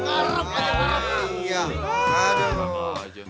ada apa apa aja